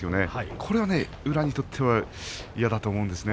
これは宇良にとっては嫌だと思うんですね。